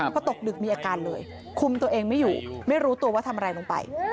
พอตกดึกมีอาการเลยคุมตัวเองไม่อยู่ไม่รู้ตัวว่าทำอะไรลงไป